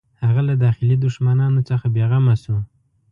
هغه له داخلي دښمنانو څخه بېغمه شو.